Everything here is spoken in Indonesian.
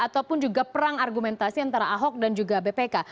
ataupun juga perang argumentasi antara ahok dan juga bpk